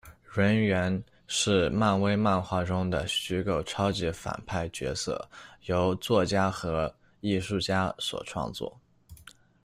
人猿，是漫威漫画中的虚构超级反派角色，由作家和艺术家所创作。